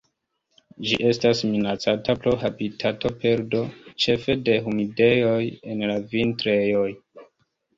Ĝi estas minacata pro habitatoperdo, ĉefe de humidejoj en la vintrejoj.